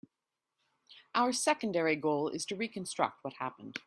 Our secondary goal is to reconstruct what happened.